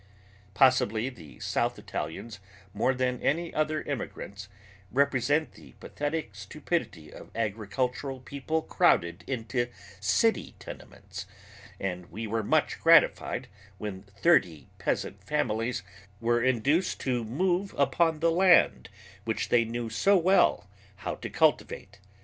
Possibly the South Italians more than any other immigrants represent the pathetic stupidity of agricultural people crowded into city tenements, and we were much gratified when thirty peasant families were induced to move upon the land which they knew so well how to cultivate.